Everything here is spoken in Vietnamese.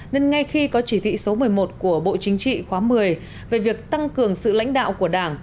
nên ngay khi có chỉ thị số một mươi một của bộ chính trị khóa một mươi về việc tăng cường sự lãnh đạo của đảng